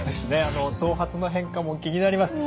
頭髪の変化も気になります。